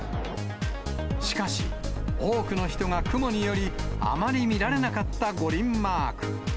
しかし、多くの人が雲により、あまり見られなかった五輪マーク。